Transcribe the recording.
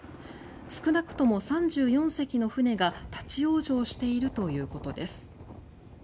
少なくとも３４隻の船が立ち往生しているということです。